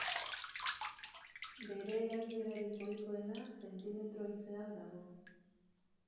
Bere erabilerarik ohikoena zentimetro hitzean dago.